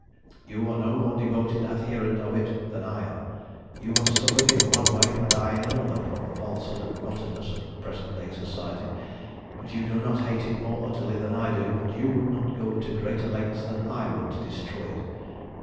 "You are no more devoted adherent of it than I am. You have suffered in one way and I in another from the falsehood and rottenness of present day Society, but you do not hate it more utterly than I do, and you would not go to greater lengths than I would to destroy it.